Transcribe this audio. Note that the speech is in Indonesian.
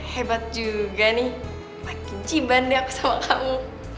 hebat juga nih makin ciban deh aku sama kamu